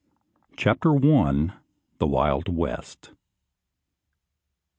CHAPTER ONE. THE WILD WEST.